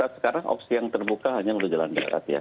sekarang opsi yang terbuka hanya untuk jalan darat ya